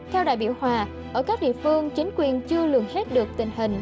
theo đại biểu hòa ở các địa phương chính quyền chưa lường hết được tình hình